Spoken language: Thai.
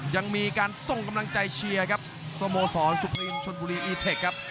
ยังมีการส่งกำลังใจเชียร์ครับสโมสรสุพรีนชนบุรีอีเทคครับ